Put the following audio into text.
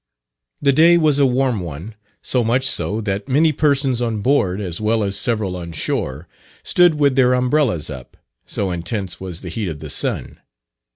The day was a warm one; so much so, that many persons on board, as well as several on shore, stood with their umbrellas up, so intense was the heat of the sun.